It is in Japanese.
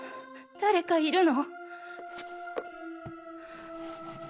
誰かいるの？